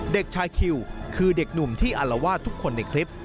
เด็กชายคิวคือเด็กหนุ่มที่อารวาสทุกคนในคลิป